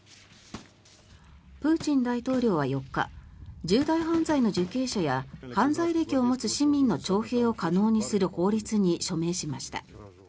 プーチン大統領は４日重大犯罪の受刑者や犯罪歴を持つ市民の徴兵を可能にする法律に署名しました。